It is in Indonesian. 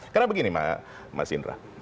karena begini mas indra